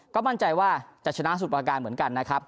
ก็มั่นใจว่าจะชนะสุดประการเหมือนกันนะครับ